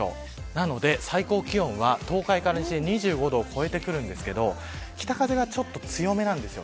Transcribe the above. なので最高気温は、東海から西で２５度を超えてきますが北風が強めです。